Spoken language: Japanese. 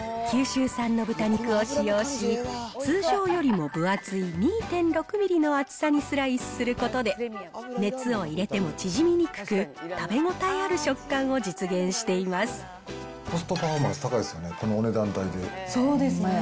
九州産の豚肉を使用し、通常よりも分厚い２．６ミリの厚さにスライスすることで、熱を入れても縮みにくく、食べ応えある食感を実現しています。